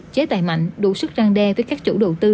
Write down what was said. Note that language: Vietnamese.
chế tài mạnh đủ sức răng đe với các chủ đầu tư